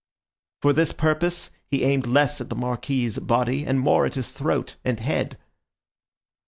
For this purpose, he aimed less at the Marquis's body, and more at his throat and head.